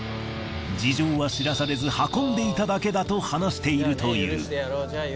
事情は知らされず運んでいただけだと話しているという。